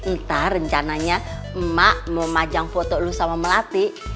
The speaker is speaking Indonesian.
ntar rencananya mak mau majang foto lu sama melati